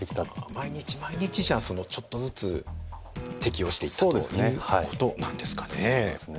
毎日毎日ちょっとずつ適応していったという事なんですかね。